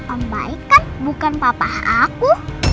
om baik kan bukan papa aku